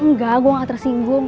enggak gue gak tersinggung